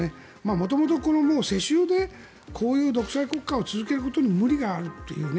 元々、世襲でこういう独裁国家を続けることに無理があるというね。